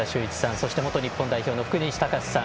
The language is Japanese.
そして元日本代表の福西崇史さん。